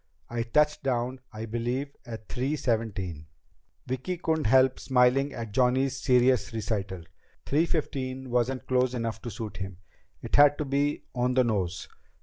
I touched down, I believe, at three seventeen." Vicki couldn't help smiling at Johnny's serious recital. Three fifteen wasn't close enough to suit him! It had to be on the nose.